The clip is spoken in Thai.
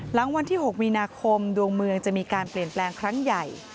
หลังวันที่๖มีนาคมดวงเมืองจะมีการเปลี่ยนแปลงครั้งใหญ่